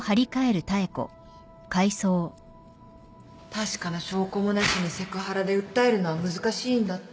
確かな証拠もなしにセクハラで訴えるのは難しいんだって